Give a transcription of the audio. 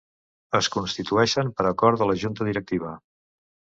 Es constitueixen per acord de la Junta Directiva.